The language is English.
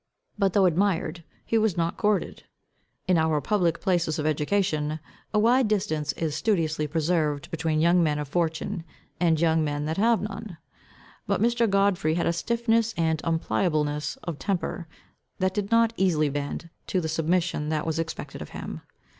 But though admired, he was not courted. In our public places of education, a wide distance is studiously preserved between young men of fortune, and young men that have none. But Mr. Godfrey had a stiffness and unpliableness of temper, that did not easily bend to the submission that was expected of him.